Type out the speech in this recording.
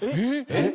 えっ！？